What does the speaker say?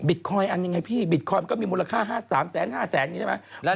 บิตคอยน์อันยังไงพี่บิตคอยน์มันก็มีมูลค่า๓แสน๕แสนอย่างนี้ใช่ไหม